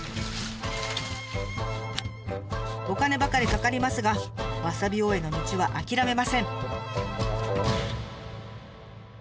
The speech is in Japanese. お金ばかりかかりますがわさび王への道は諦めません。